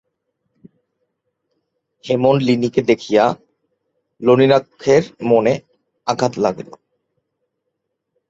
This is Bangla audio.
হেমনলিনীকে দেখিয়া নলিনাক্ষের মনে আঘাত লাগিল।